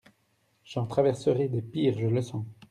—«J’en traverserai de pires, je le sens.